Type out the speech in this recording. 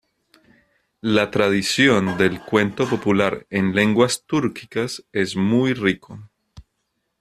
La tradición del cuento popular en lenguas túrquicas es muy rico.